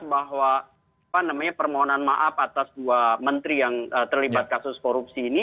bahwa permohonan maaf atas dua menteri yang terlibat kasus korupsi ini